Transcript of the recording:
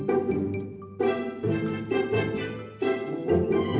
ami dari yang usah kalah